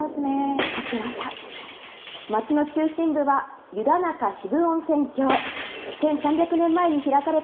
積もってました。